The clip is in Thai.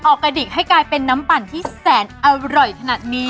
กระดิกให้กลายเป็นน้ำปั่นที่แสนอร่อยขนาดนี้